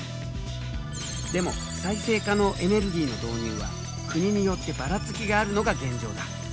でも再生可能エネルギーの導入は国によってばらつきがあるのが現状だ。